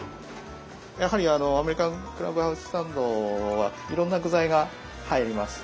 やはりあのアメリカンクラブハウスサンドはいろんな具材が入ります。